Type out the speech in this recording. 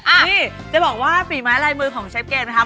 นี่จะบอกว่าฝีไม้ลายมือของเชฟเกมนะครับ